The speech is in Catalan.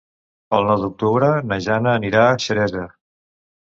El nou d'octubre na Jana anirà a Xeresa.